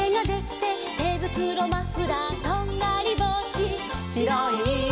「てぶくろマフラーとんがりぼうし」